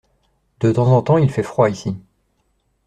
De temps en temps il fait froid ici.